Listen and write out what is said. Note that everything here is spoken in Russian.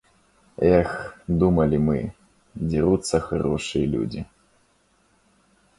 Эх, думали мы, дерутся хорошие люди.